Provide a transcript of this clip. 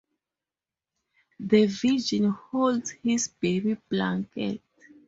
The Virgin holds his baby blanket.